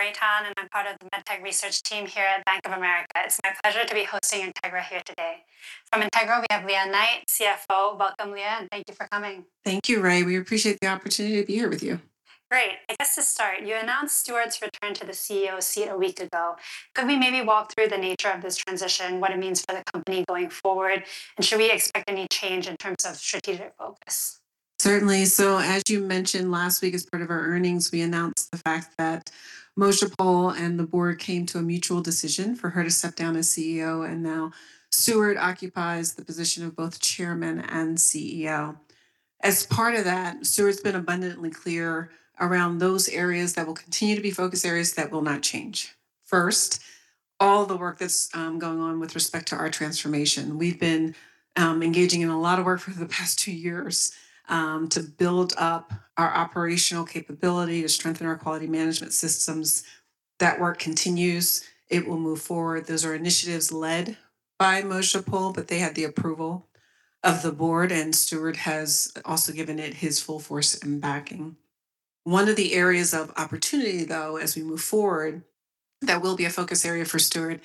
I'm Rei Tan, and I'm part of the med tech research team here at Bank of America. It's my pleasure to be hosting Integra here today. From Integra, we have Lea Knight, CFO. Welcome, Lea, and thank you for coming. Thank you, Rei. We appreciate the opportunity to be here with you. Great. I guess to start, you announced Stuart's return to the CEO seat a week ago. Could we maybe walk through the nature of this transition, what it means for the company going forward, and should we expect any change in terms of strategic focus? Certainly. As you mentioned last week as part of our earnings, we announced the fact that Mojdeh Poul and the Board came to a mutual decision for her to step down as CEO, and now Stuart occupies the position of both Chairman and CEO. As part of that, Stuart's been abundantly clear around those areas that will continue to be focus areas that will not change. First, all the work that's going on with respect to our transformation. We've been engaging in a lot of work for the past two years to build up our operational capability, to strengthen our quality management systems. That work continues. It will move forward. Those are initiatives led by Mojdeh Poul, but they had the approval of the Board, and Stuart has also given it his full force and backing. One of the areas of opportunity, though, as we move forward that will be a focus area for Stuart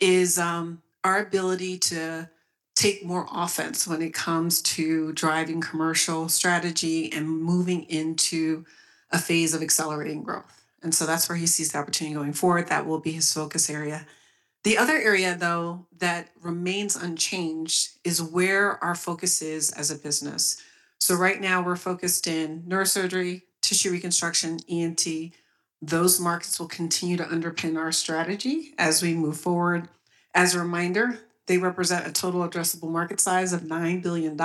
is our ability to take more offense when it comes to driving commercial strategy and moving into a phase of accelerating growth. That's where he sees the opportunity going forward. That will be his focus area. The other area, though, that remains unchanged is where our focus is as a business. Right now we're focused in neurosurgery, tissue reconstruction, ENT. Those markets will continue to underpin our strategy as we move forward. As a reminder, they represent a total addressable market size of $9 billion.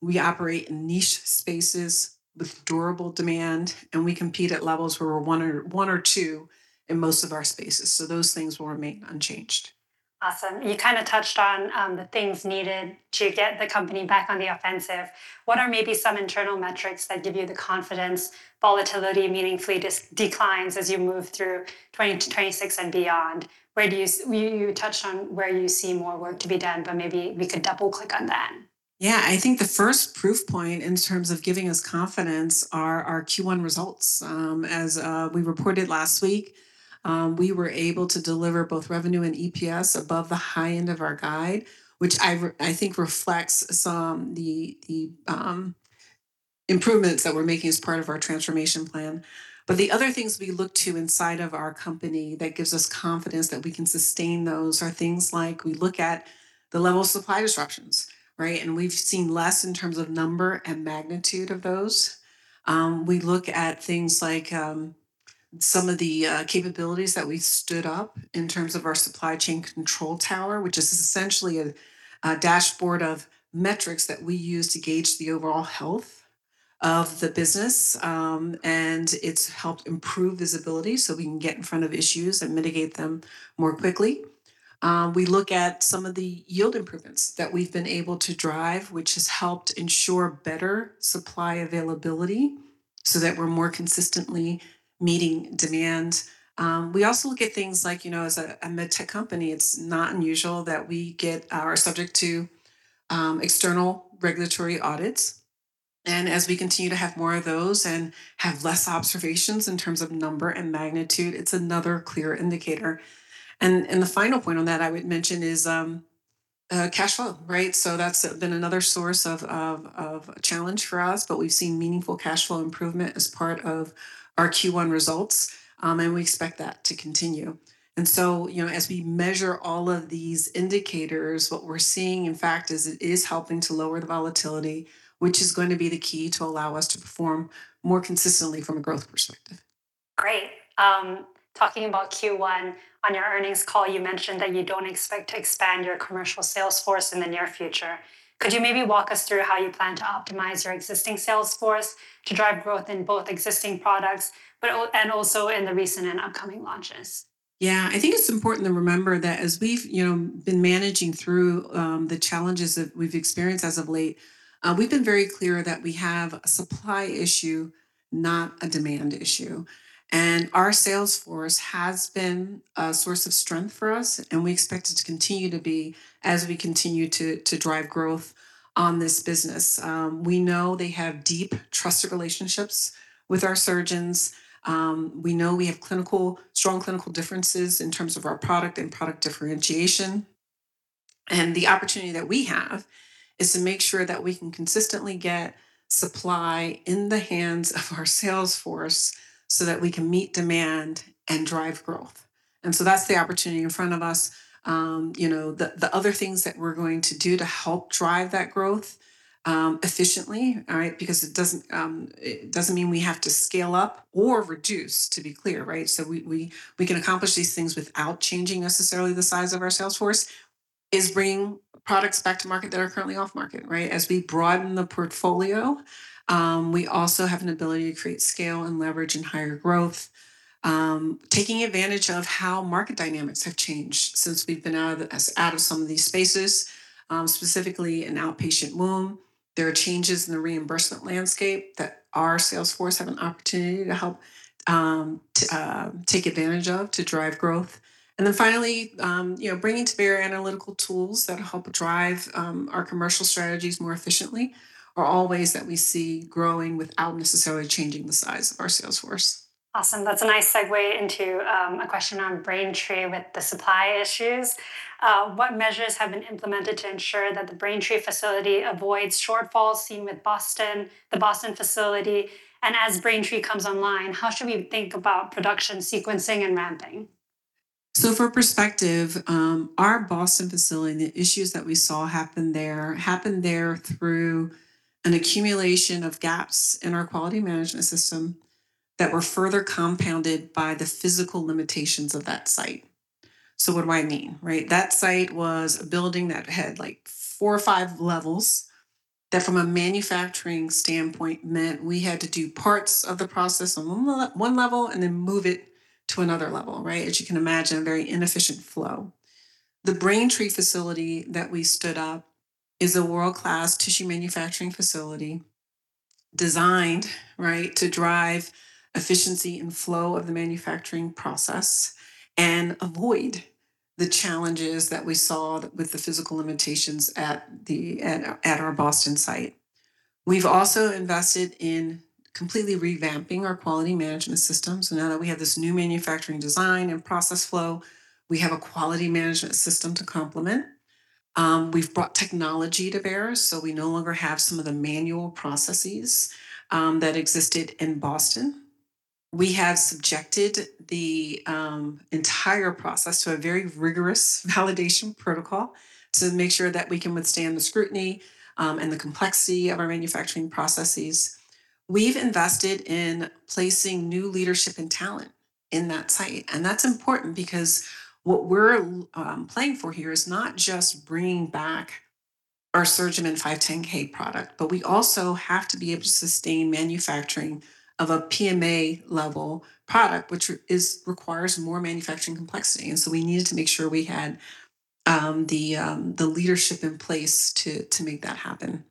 We operate in niche spaces with durable demand, and we compete at levels where we're one or two in most of our spaces. Those things will remain unchanged. Awesome. You kinda touched on, the things needed to get the company back on the offensive. What are maybe some internal metrics that give you the confidence volatility meaningfully declines as you move through 2020 to 2026 and beyond? You touched on where you see more work to be done. Maybe we could double-click on that. Yeah. I think the first proof point in terms of giving us confidence are our Q1 results. As we reported last week, we were able to deliver both revenue and EPS above the high end of our guide, which I think reflects some the improvements that we're making as part of our transformation plan. The other things we look to inside of our company that gives us confidence that we can sustain those are things like we look at the level of supply disruptions, right? We've seen less in terms of number and magnitude of those. We look at things like some of the capabilities that we stood up in terms of our supply chain control tower, which is essentially a dashboard of metrics that we use to gauge the overall health of the business. It's helped improve visibility, so we can get in front of issues and mitigate them more quickly. We look at some of the yield improvements that we've been able to drive, which has helped ensure better supply availability so that we're more consistently meeting demand. We also look at things like, you know, as a med tech company, it's not unusual that we are subject to external regulatory audits. As we continue to have more of those and have less observations in terms of number and magnitude, it's another clear indicator. The final point on that I would mention is cash flow, right? That's been another source of challenge for us, but we've seen meaningful cash flow improvement as part of our Q1 results, and we expect that to continue. You know, as we measure all of these indicators, what we're seeing, in fact, is it is helping to lower the volatility, which is going to be the key to allow us to perform more consistently from a growth perspective. Great. Talking about Q1, on your earnings call, you mentioned that you don't expect to expand your commercial sales force in the near future. Could you maybe walk us through how you plan to optimize your existing sales force to drive growth in both existing products and also in the recent and upcoming launches? Yeah. I think it's important to remember that as we've, you know, been managing through the challenges that we've experienced as of late, we've been very clear that we have a supply issue, not a demand issue, and our sales force has been a source of strength for us, and we expect it to continue to be as we continue to drive growth on this business. We know they have deep trusted relationships with our surgeons. We know we have strong clinical differences in terms of our product and product differentiation. The opportunity that we have is to make sure that we can consistently get supply in the hands of our sales force so that we can meet demand and drive growth, and so that's the opportunity in front of us. you know, the other things that we're going to do to help drive that growth efficiently, all right? Because it doesn't, it doesn't mean we have to scale up or reduce, to be clear, right? We can accomplish these things without changing necessarily the size of our sales force, is bringing products back to market that are currently off market, right? As we broaden the portfolio, we also have an ability to create scale and leverage and higher growth, taking advantage of how market dynamics have changed since we've been out of, out of some of these spaces, specifically in outpatient wound. There are changes in the reimbursement landscape that our sales force have an opportunity to help take advantage of to drive growth. Finally, you know, bringing to bear analytical tools that help drive our commercial strategies more efficiently are all ways that we see growing without necessarily changing the size of our sales force. Awesome. That's a nice segue into a question on Braintree with the supply issues. What measures have been implemented to ensure that the Braintree facility avoids shortfalls seen with Boston, the Boston facility? As Braintree comes online, how should we think about production sequencing and ramping? For perspective, our Boston facility and the issues that we saw happen there, happened there through an accumulation of gaps in our quality management system that were further compounded by the physical limitations of that site. What do I mean, right? That site was a building that had, like, 4 or 5 levels that from a manufacturing standpoint meant we had to do parts of the process on one level and then move it to another level, right? As you can imagine, a very inefficient flow. The Braintree facility that we stood up is a world-class tissue manufacturing facility designed, right, to drive efficiency and flow of the manufacturing process and avoid the challenges that we saw with the physical limitations at our Boston site. We've also invested in completely revamping our quality management system. Now that we have this new manufacturing design and process flow, we have a quality management system to complement. We've brought technology to bear, so we no longer have some of the manual processes that existed in Boston. We have subjected the entire process to a very rigorous validation protocol to make sure that we can withstand the scrutiny and the complexity of our manufacturing processes. We've invested in placing new leadership and talent in that site, and that's important because what we're playing for here is not just bringing back our SurgiMend 510(k) product, but we also have to be able to sustain manufacturing of a PMA-level product, which requires more manufacturing complexity. We needed to make sure we had the leadership in place to make that happen.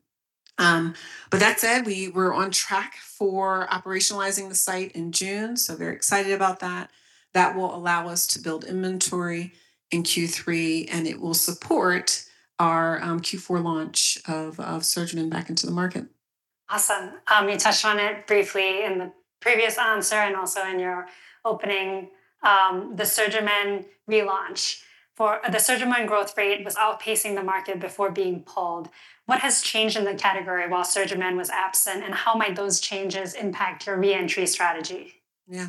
That said, we were on track for operationalizing the site in June, very excited about that. That will allow us to build inventory in Q3, it will support our Q4 launch of SurgiMend back into the market. Awesome. You touched on it briefly in the previous answer and also in your opening, the SurgiMend relaunch. The SurgiMend growth rate was outpacing the market before being pulled. What has changed in the category while SurgiMend was absent, and how might those changes impact your re-entry strategy? Yeah.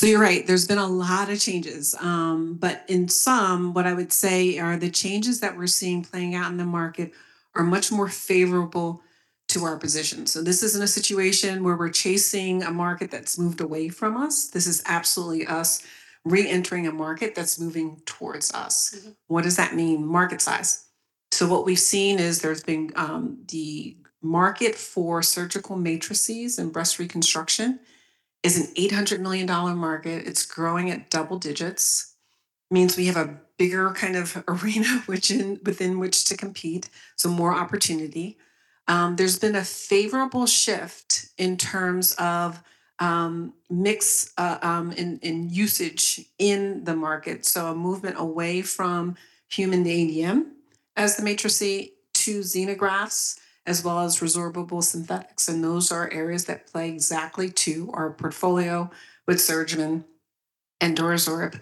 You're right. There's been a lot of changes. In sum, what I would say are the changes that we're seeing playing out in the market are much more favorable to our position. This isn't a situation where we're chasing a market that's moved away from us. This is absolutely us reentering a market that's moving towards us. What does that mean? Market size. What we've seen is there's been the market for surgical matrices in breast reconstruction is an $800 million market. It's growing at double digits. Means we have a bigger kind of arena within which to compete, so more opportunity. There's been a favorable shift in terms of mix in usage in the market, so a movement away from human ADM as the matrice to xenografts as well as resorbable synthetics, and those are areas that play exactly to our portfolio with SurgiMend and DuraSorb.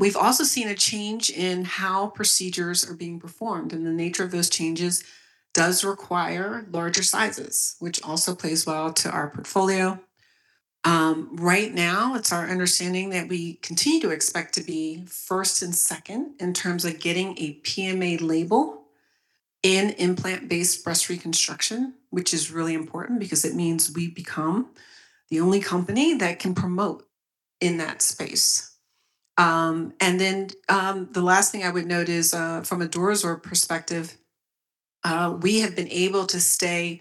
We've also seen a change in how procedures are being performed, and the nature of those changes does require larger sizes, which also plays well to our portfolio. Right now, it's our understanding that we continue to expect to be first and second in terms of getting a PMA label in implant-based breast reconstruction, which is really important because it means we become the only company that can promote in that space. Then, the last thing I would note is from a DuraSorb perspective, we have been able to stay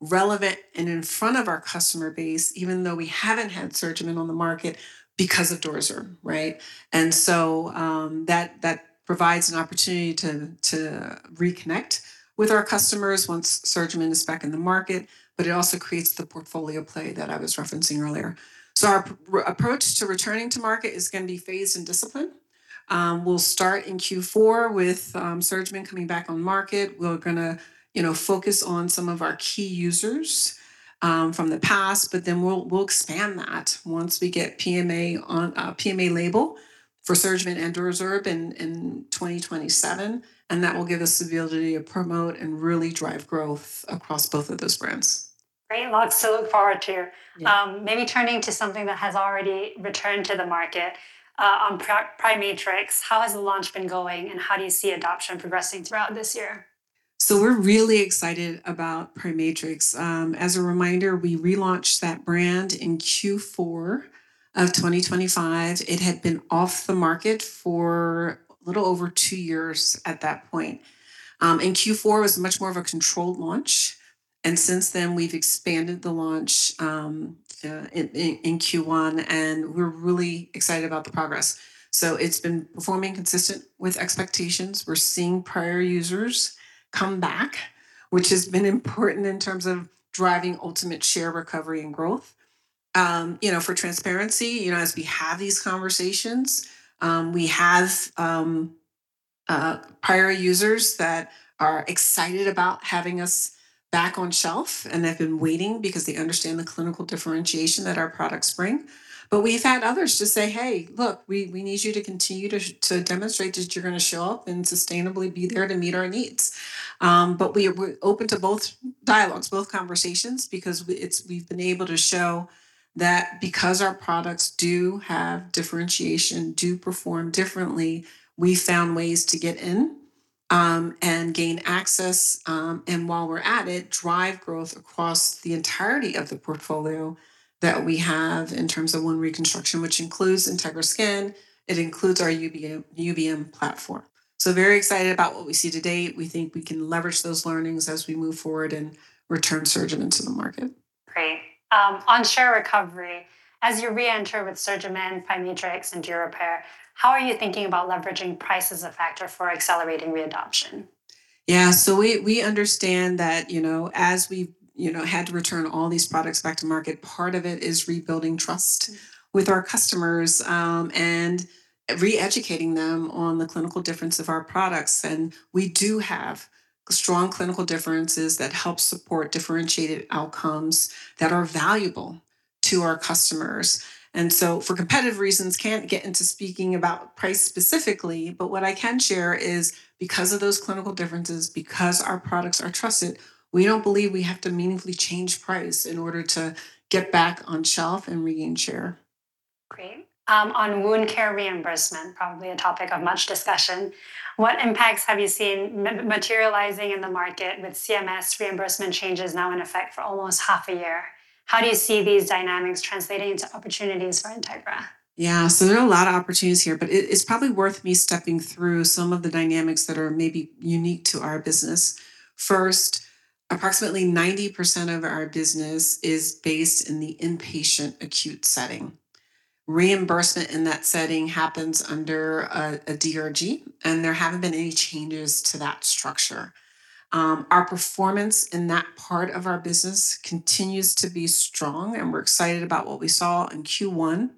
relevant and in front of our customer base even though we haven't had SurgiMend on the market because of DuraSorb, right? That provides an opportunity to reconnect with our customers once SurgiMend is back in the market, but it also creates the portfolio play that I was referencing earlier. Our approach to returning to market is gonna be phased and disciplined. We'll start in Q4 with SurgiMend coming back on market. We're gonna, you know, focus on some of our key users, from the past, but then we'll expand that once we get PMA a PMA label for SurgiMend and DuraSorb in 2027, and that will give us the ability to promote and really drive growth across both of those brands. Great. Lots to look forward to. Yeah. Maybe turning to something that has already returned to the market, on PriMatrix, how has the launch been going, and how do you see adoption progressing throughout this year? We're really excited about PriMatrix. As a reminder, we relaunched that brand in Q4 of 2025. It had been off the market for a little over two years at that point. Q4 was much more of a controlled launch, and since then, we've expanded the launch in Q1, and we're really excited about the progress. It's been performing consistent with expectations. We're seeing prior users come back, which has been important in terms of driving ultimate share recovery and growth. You know, for transparency, you know, as we have these conversations, we have prior users that are excited about having us back on shelf, and they've been waiting because they understand the clinical differentiation that our products bring. We've had others just say, "Hey, look, we need you to continue to demonstrate that you're gonna show up and sustainably be there to meet our needs." We're open to both dialogues, both conversations, because we've been able to show that because our products do have differentiation, do perform differently, we found ways to get in and gain access, and while we're at it, drive growth across the entirety of the portfolio that we have in terms of wound reconstruction, which includes Integra Skin, it includes our UBM platform. Very excited about what we see to date. We think we can leverage those learnings as we move forward and return SurgiMend into the market. Great. On share recovery, as you reenter with SurgiMend, PriMatrix, and Durepair, how are you thinking about leveraging price as a factor for accelerating readoption? Yeah. We understand that, you know, as we, you know, had to return all these products back to market, part of it is rebuilding trust with our customers and re-educating them on the clinical difference of our products. We do have strong clinical differences that help support differentiated outcomes that are valuable to our customers. For competitive reasons, can't get into speaking about price specifically, but what I can share is because of those clinical differences, because our products are trusted, we don't believe we have to meaningfully change price in order to get back on shelf and regain share. Great. On wound care reimbursement, probably a topic of much discussion, what impacts have you seen materializing in the market with CMS reimbursement changes now in effect for almost half a year? How do you see these dynamics translating into opportunities for Integra? Yeah. There are a lot of opportunities here, but it's probably worth me stepping through some of the dynamics that are maybe unique to our business. First, approximately 90% of our business is based in the inpatient acute setting. Reimbursement in that setting happens under a DRG, and there haven't been any changes to that structure. Our performance in that part of our business continues to be strong, and we're excited about what we saw in Q1.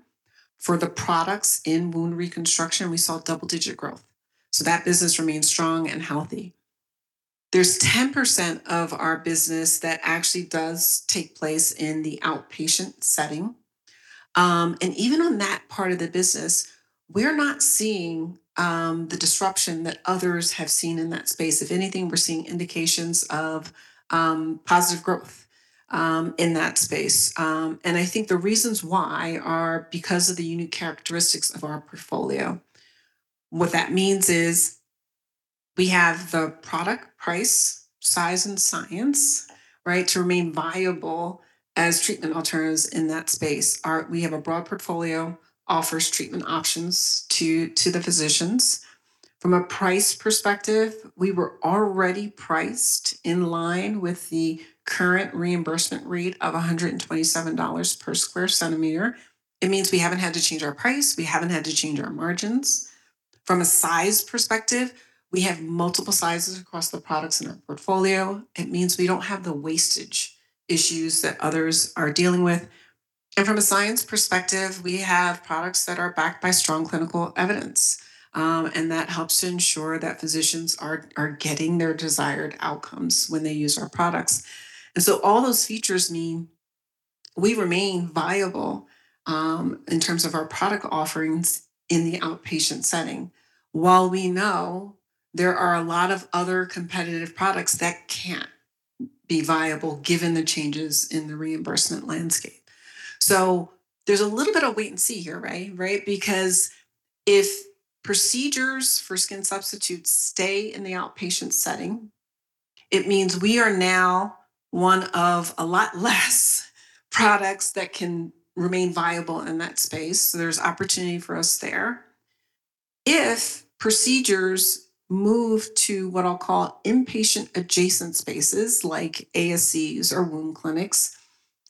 For the products in wound reconstruction, we saw double-digit growth, so that business remains strong and healthy. There's 10% of our business that actually does take place in the outpatient setting. Even on that part of the business, we're not seeing the disruption that others have seen in that space. If anything, we're seeing indications of positive growth in that space. I think the reasons why are because of the unique characteristics of our portfolio. What that means is we have the product price, size, and science, right, to remain viable as treatment alternatives in that space. We have a broad portfolio, offers treatment options to the physicians. From a price perspective, we were already priced in line with the current reimbursement rate of $127 per square centimeter. It means we haven't had to change our price. We haven't had to change our margins. From a size perspective, we have multiple sizes across the products in our portfolio. It means we don't have the wastage issues that others are dealing with. From a science perspective, we have products that are backed by strong clinical evidence, and that helps to ensure that physicians are getting their desired outcomes when they use our products. All those features mean we remain viable in terms of our product offerings in the outpatient setting, while we know there are a lot of other competitive products that can't be viable given the changes in the reimbursement landscape. There's a little bit of wait and see here, Rei, right? If procedures for skin substitutes stay in the outpatient setting, it means we are now one of a lot less products that can remain viable in that space, so there's opportunity for us there. If procedures move to what I'll call inpatient adjacent spaces like ASCs or wound clinics,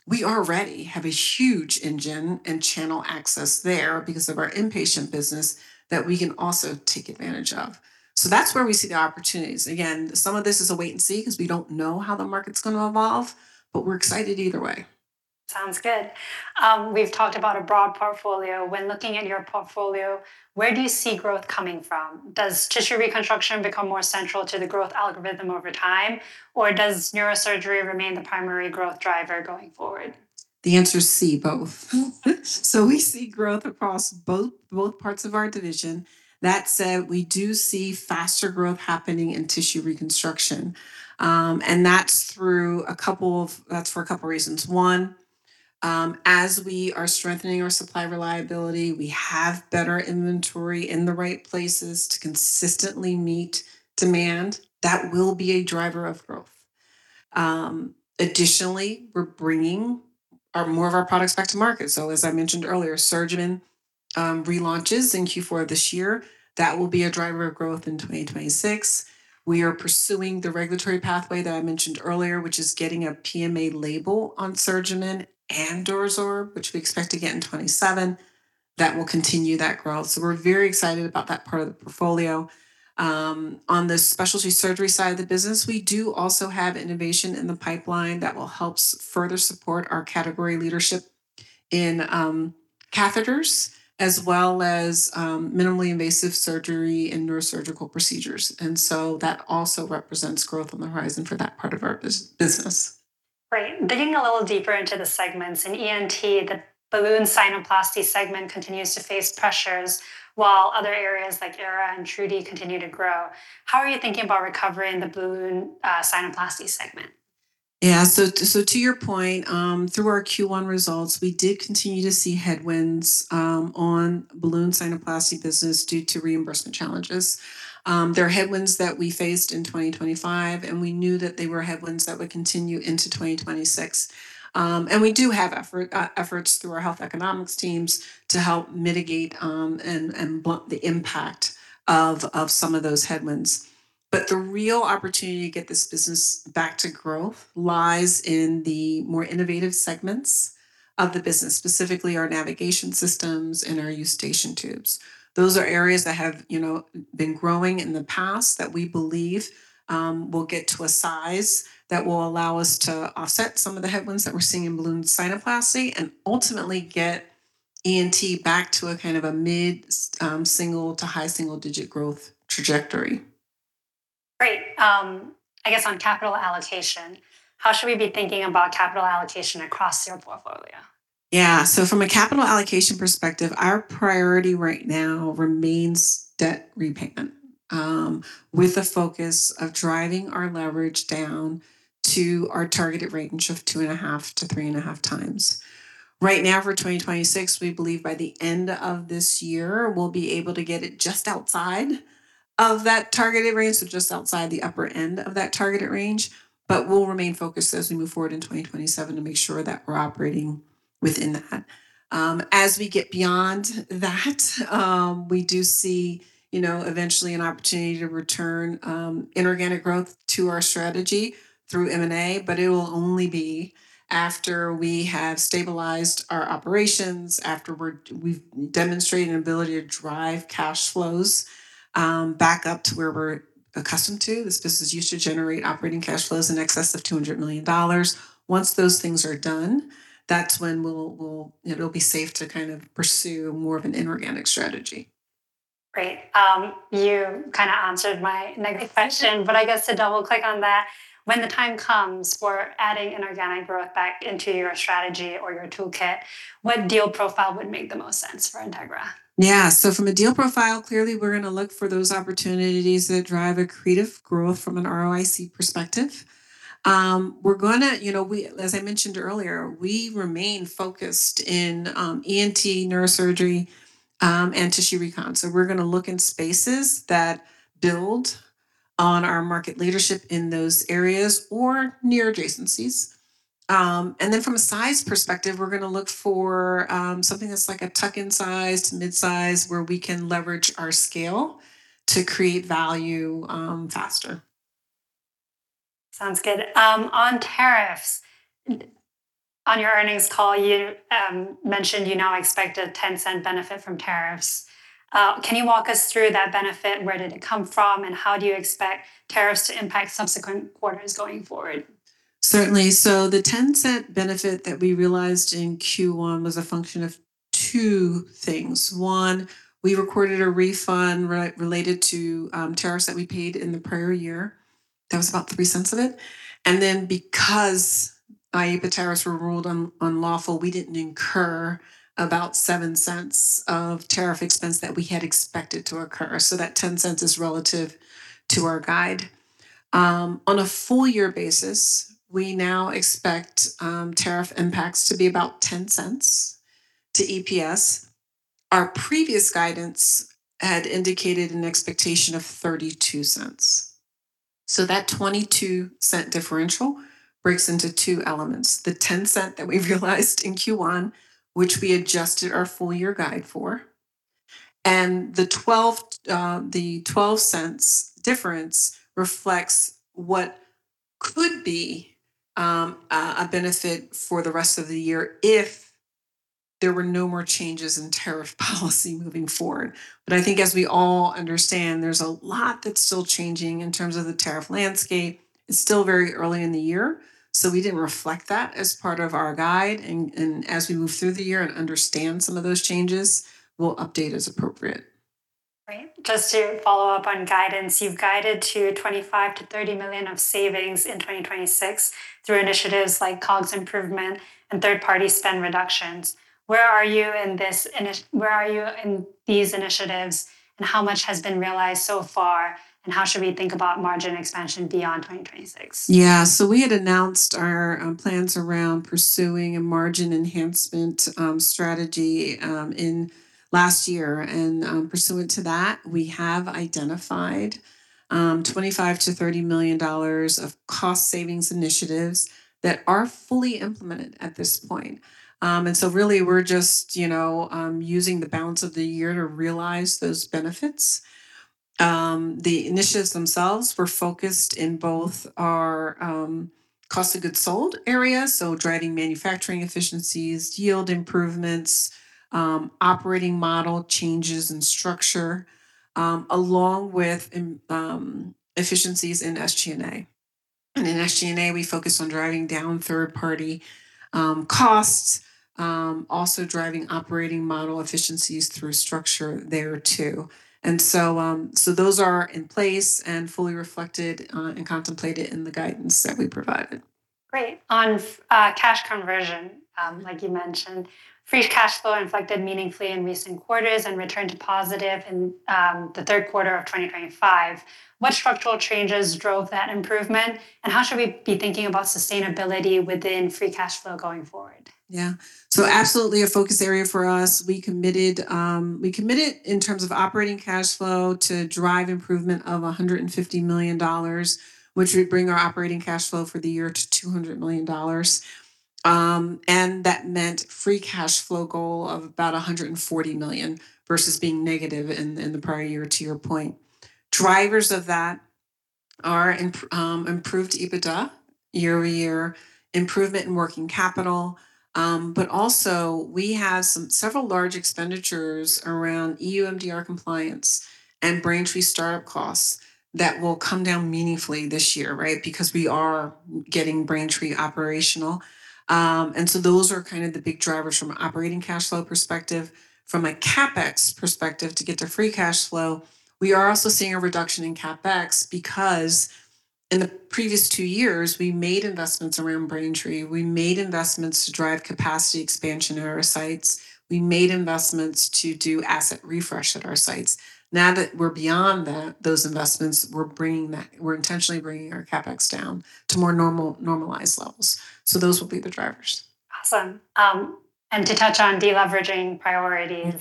we already have a huge engine and channel access there because of our inpatient business that we can also take advantage of. That's where we see the opportunities. Again, some of this is a wait and see because we don't know how the market's gonna evolve, but we're excited either way. Sounds good. We've talked about a broad portfolio. When looking at your portfolio, where do you see growth coming from? Does tissue reconstruction become more central to the growth algorithm over time, or does neurosurgery remain the primary growth driver going forward? The answer is see, both. We see growth across both parts of our division. That said, we do see faster growth happening in tissue reconstruction, and that's for a couple reasons. One, as we are strengthening our supply reliability, we have better inventory in the right places to consistently meet demand. That will be a driver of growth. Additionally, we're bringing more of our products back to market. As I mentioned earlier, SurgiMend relaunches in Q4 this year. That will be a driver of growth in 2026. We are pursuing the regulatory pathway that I mentioned earlier, which is getting a PMA label on SurgiMend and DuraSorb, which we expect to get in 2027. That will continue that growth. We're very excited about that part of the portfolio. On the specialty surgery side of the business, we do also have innovation in the pipeline that will help further support our category leadership in catheters as well as minimally invasive surgery and neurosurgical procedures. That also represents growth on the horizon for that part of our business. Right. Digging a little deeper into the segments. In ENT, the balloon sinuplasty segment continues to face pressures, while other areas like ERA and TruDi continue to grow. How are you thinking about recovering the balloon sinuplasty segment? Yeah. To your point, through our Q1 results, we did continue to see headwinds on balloon sinuplasty business due to reimbursement challenges. They're headwinds that we faced in 2025, and we knew that they were headwinds that would continue into 2026. And we do have efforts through our health economics teams to help mitigate and blunt the impact of some of those headwinds. The real opportunity to get this business back to growth lies in the more innovative segments of the business, specifically our navigation systems and our Eustachian tubes. Those are areas that have, you know, been growing in the past that we believe, will get to a size that will allow us to offset some of the headwinds that we're seeing in balloon sinuplasty and ultimately get ENT back to a kind of a mid, single to high single-digit growth trajectory. Great. I guess on capital allocation, how should we be thinking about capital allocation across your portfolio? From a capital allocation perspective, our priority right now remains debt repayment, with a focus of driving our leverage down to our targeted range of 2.5 to 3.5 times. Right now for 2026, we believe by the end of this year, we'll be able to get it just outside of that targeted range, so just outside the upper end of that targeted range. We'll remain focused as we move forward in 2027 to make sure that we're operating within that. As we get beyond that, we do see, you know, eventually an opportunity to return inorganic growth to our strategy through M&A, but it will only be after we have stabilized our operations, after we've demonstrated an ability to drive cash flows back up to where we're accustomed to. This business used to generate operating cash flows in excess of $200 million. Once those things are done, that's when we'll it'll be safe to kind of pursue more of an inorganic strategy. Great. You kinda answered my next question. I guess to double-click on that, when the time comes for adding inorganic growth back into your strategy or your toolkit, what deal profile would make the most sense for Integra? Yeah. From a deal profile, clearly, we're gonna look for those opportunities that drive accretive growth from an ROIC perspective. You know, as I mentioned earlier, we remain focused in ENT, neurosurgery, and tissue recon. We're gonna look in spaces that build on our market leadership in those areas or near adjacencies. From a size perspective, we're gonna look for something that's like a tuck-in size to midsize, where we can leverage our scale to create value faster. Sounds good. On tariffs, on your earnings call, you mentioned you now expect a $0.10 benefit from tariffs. Can you walk us through that benefit? Where did it come from, and how do you expect tariffs to impact subsequent quarters going forward? Certainly. The $0.10 benefit that we realized in Q1 was a function of two things. One, we recorded a refund related to tariffs that we paid in the prior year. That was about $0.03 of it. Because IEEPA tariffs were ruled unlawful, we didn't incur about $0.07 of tariff expense that we had expected to occur. That $0.10 is relative to our guide. On a full year basis, we now expect tariff impacts to be about $0.10 to EPS. Our previous guidance had indicated an expectation of $0.32. That $0.22 differential breaks into two elements, the $0.10 that we realized in Q1, which we adjusted our full year guide for, and the $0.12 difference reflects what could be a benefit for the rest of the year if there were no more changes in tariff policy moving forward. I think as we all understand, there's a lot that's still changing in terms of the tariff landscape. It's still very early in the year, so we didn't reflect that as part of our guide. As we move through the year and understand some of those changes, we'll update as appropriate. Great. Just to follow up on guidance, you've guided to $25 million-$30 million of savings in 2026 through initiatives like COGS improvement and third-party spend reductions. Where are you in these initiatives, and how much has been realized so far, and how should we think about margin expansion beyond 2026? We had announced our plans around pursuing a margin enhancement strategy in last year. Pursuant to that, we have identified $25 million-$30 million of cost savings initiatives that are fully implemented at this point. Really, we're just, you know, using the balance of the year to realize those benefits. The initiatives themselves were focused in both our cost of goods sold area, so driving manufacturing efficiencies, yield improvements, operating model changes and structure, along with efficiencies in SG&A. In SG&A, we focused on driving down third-party costs, also driving operating model efficiencies through structure there too. Those are in place and fully reflected and contemplated in the guidance that we provided. Great. On cash conversion, like you mentioned, free cash flow inflected meaningfully in recent quarters and returned to positive in the third quarter of 2025. What structural changes drove that improvement, and how should we be thinking about sustainability within free cash flow going forward? Absolutely a focus area for us. We committed in terms of operating cash flow to drive improvement of $150 million, which would bring our operating cash flow for the year to $200 million. That meant free cash flow goal of about $140 million versus being negative in the prior year, to your point. Drivers of that are improved EBITDA year over year, improvement in working capital, but also we have several large expenditures around EU MDR compliance and Braintree startup costs that will come down meaningfully this year, right? Because we are getting Braintree operational. Those are kind of the big drivers from an operating cash flow perspective. From a CapEx perspective to get to free cash flow, we are also seeing a reduction in CapEx because in the previous two years, we made investments around Braintree, we made investments to drive capacity expansion at our sites, we made investments to do asset refresh at our sites. Now that we're beyond that, those investments, we're intentionally bringing our CapEx down to more normal, normalized levels. Those will be the drivers. Awesome. To touch on deleveraging priorities,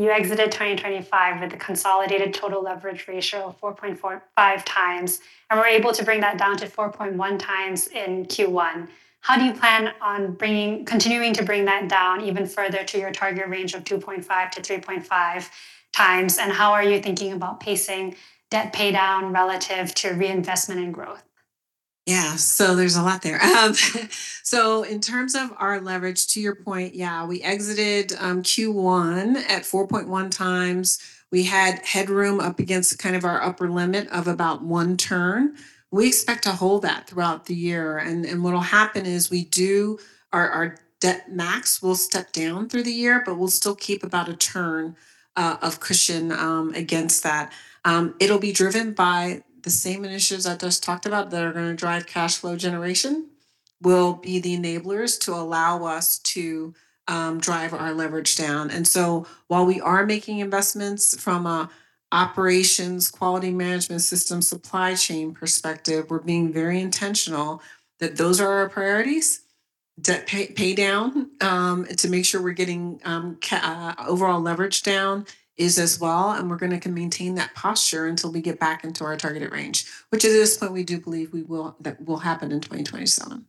you exited 2025 with a consolidated total leverage ratio of 4.45 times, and were able to bring that down to 4.1 times in Q1. How do you plan on continuing to bring that down even further to your target range of 2.5-3.5 times? How are you thinking about pacing debt paydown relative to reinvestment and growth? Yeah. There's a lot there. In terms of our leverage, to your point, yeah, we exited Q1 at 4.1 times. We had headroom up against kind of our upper limit of about one turn. We expect to hold that throughout the year. What'll happen is we do our debt max will step down through the year, but we'll still keep about a turn of cushion against that. It'll be driven by the same initiatives I just talked about that are gonna drive cash flow generation, will be the enablers to allow us to drive our leverage down. While we are making investments from a operations, quality management system, supply chain perspective, we're being very intentional that those are our priorities. Debt pay down, to make sure we're getting overall leverage down is as well, and we're gonna maintain that posture until we get back into our targeted range, which at this point, we do believe that will happen in 2027.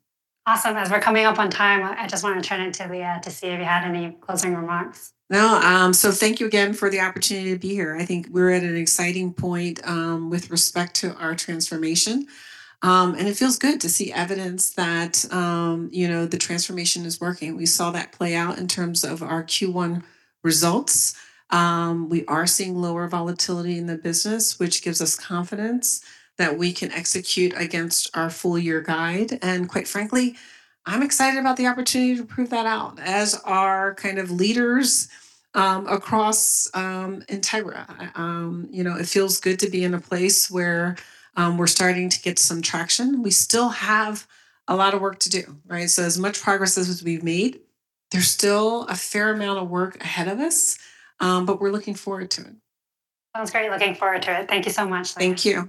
Awesome. As we're coming up on time, I just want to turn it to Lea to see if you had any closing remarks. No. Thank you again for the opportunity to be here. I think we're at an exciting point with respect to our transformation. It feels good to see evidence that, you know, the transformation is working. We saw that play out in terms of our Q1 results. We are seeing lower volatility in the business, which gives us confidence that we can execute against our full-year guide. Quite frankly, I'm excited about the opportunity to prove that out, as are kind of leaders across Integra. You know, it feels good to be in a place where we're starting to get some traction. We still have a lot of work to do, right? As much progress as we've made, there's still a fair amount of work ahead of us, we're looking forward to it. Sounds great. Looking forward to it. Thank you so much, Lea. Thank you.